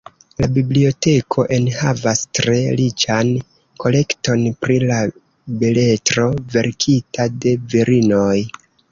La biblioteko enhavas tre riĉan kolekton pri la beletro verkita de virinoj.